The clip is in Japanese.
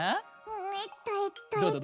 えっとえっとえっと。